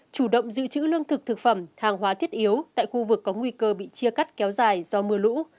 chủ động giữ chữ lương thực thực phẩm hàng hóa thiết yếu tại khu vực có nguy cơ bị chia cắt kéo dài do mưa lũ